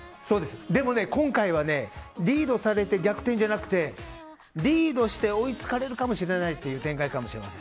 でも今回はリードされて逆転じゃなくてリードして追いつかれるかもしれないという展開かもしれません。